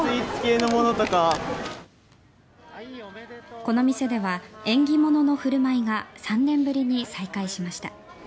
この店では縁起物の振る舞いが３年ぶりに再開しました。